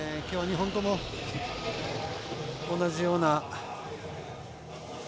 今日は２本とも同じような。